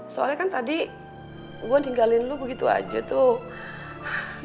soalnya kan tadi gue ninggalin lo begitu aja tuh